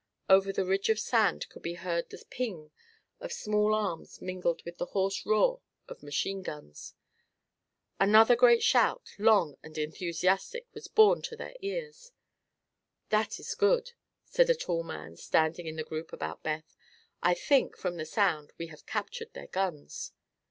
Over the ridge of sand could be heard the "ping" of small arms mingled with the hoarse roar of machine guns. Another great shout long and enthusiastic was borne to their ears. "That is good," said a tall man standing in the group about Beth; "I think, from the sound, we have captured their guns."